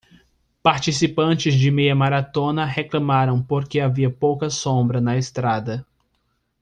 Participantes de meia maratona reclamaram porque havia pouca sombra na estrada.